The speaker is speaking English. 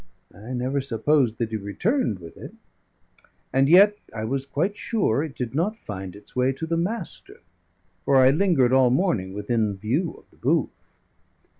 I never supposed that he returned with it; and yet I was quite sure it did not find its way to the Master, for I lingered all morning within view of the booth.